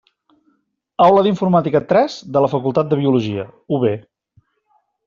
Aula d'informàtica tres de la Facultat de Biologia, UB.